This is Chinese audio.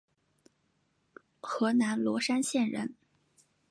河南罗山县人。